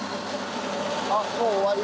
あっもう終わりだ。